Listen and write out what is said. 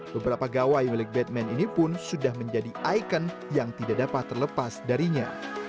beberapa gawai milik batman ini pun sudah menjadi ikon yang tidak dapat terlepas darinya